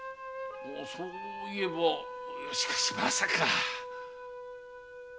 そういえばしかしまさか。